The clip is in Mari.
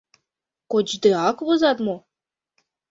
Кочдеак возат мо?